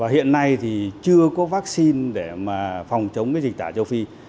hiện nay chưa có vaccine để phòng chống dịch tà châu phi